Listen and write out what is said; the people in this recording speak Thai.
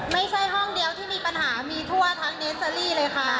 ไม่ใช่ห้องเดียวที่มีปัญหามีทั่วทั้งเนสเตอรี่เลยค่ะ